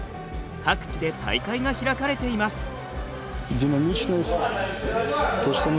各地で大会が開かれています。